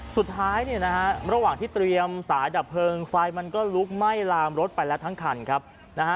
สุดท้ายเนี่ยนะฮะระหว่างที่เตรียมสายดับเพลิงไฟมันก็ลุกไหม้ลามรถไปแล้วทั้งคันครับนะฮะ